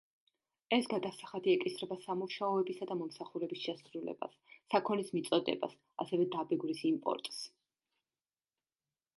ეს გადასახადი ეკისრება სამუშაოებისა და მომსახურების შესრულებას, საქონლის მიწოდებას, ასევე დაბეგვრის იმპორტს.